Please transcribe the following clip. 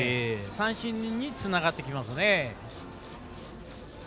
三振につながってきますね。